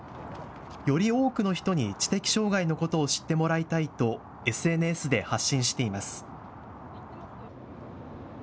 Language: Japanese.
より多くの人に知的障害のことを知ってもらいたいとＳＮＳで発信しています。